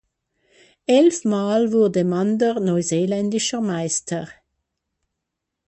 Elfmal wurde Mander neuseeländischer Meister.